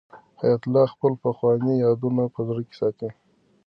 حیات الله خپل پخواني یادونه په زړه کې ساتي.